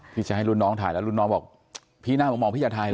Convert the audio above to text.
ที่จะให้รุ่นน้องถ่ายแล้วรุ่นน้องบอกพี่น่ามามองพี่อย่าถ่ายเห